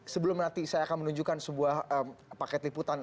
sebelum nanti saya akan menunjukkan sebuah paket liputan